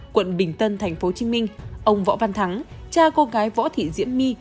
quận bình tân tp hcm ông võ văn thắng cha cô gái võ thị diễm my